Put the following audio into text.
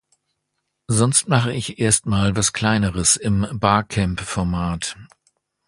Sonst mache ich erst mal was Kleineres im Barcamp-Format.